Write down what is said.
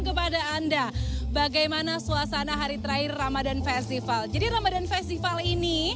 kepada anda bagaimana suasana hari terakhir ramadan festival jadi ramadan festival ini